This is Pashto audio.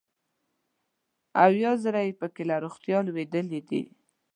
اویا زره یې پکې له روغتیا لوېدلي دي.